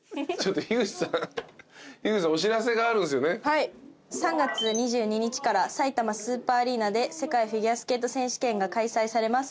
はい３月２２日からさいたまスーパーアリーナで世界フィギュアスケート選手権が開催されます。